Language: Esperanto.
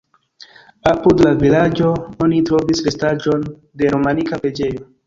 Apud la vilaĝo oni trovis restaĵon de romanika preĝejo.